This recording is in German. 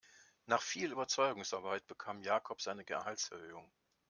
Nach viel Überzeugungsarbeit bekam Jakob seine Gehaltserhöhung.